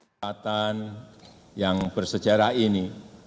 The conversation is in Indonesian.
kelihatan yang bersejarah ini